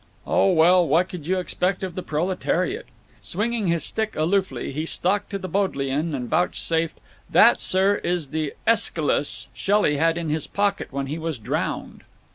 Oh well, what could you expect of the proletariat! Swinging his stick aloofly, he stalked to the Bodleian and vouchsafed, "That, sir, is the AEschylus Shelley had in his pocket when he was drowned."